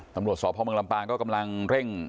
ตำรวจสอบครบสมัยก็กำลังเร่ง